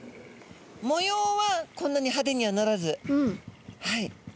模様はこんなに派手にはならずはい。